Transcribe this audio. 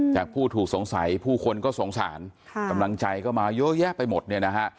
ผู้ถูกสงสัยผู้คนก็สงสารกำลังใจก็มาเยอะแยะไปหมดเนี่ยนะฮะ